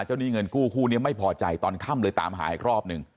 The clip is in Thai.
หนี้เงินกู้คู่นี้ไม่พอใจตอนค่ำเลยตามหาอีกรอบหนึ่ง